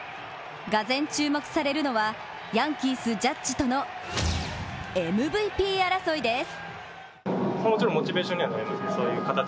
がぜん注目されるのは、ヤンキース・ジャッジとのＭＶＰ争いです。